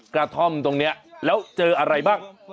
กระท่อมตรงนี้แล้วเจออะไรบ้าง